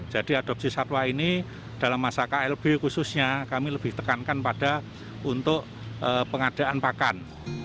jadi adopsi satwa ini dalam masa klb khususnya kami lebih tekankan pada untuk pengadaan pakan